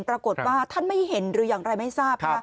ปรากฏว่าท่านไม่เห็นหรืออย่างไรไม่ทราบ